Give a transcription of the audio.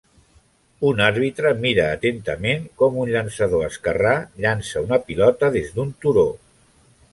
Un arbitre mira atentament com un llançador esquerrà llança una pilota des d'un turó.